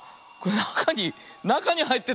なかになかにはいってたよ。